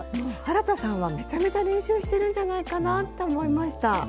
あらたさんはめちゃめちゃ練習してるんじゃないかなって思いました。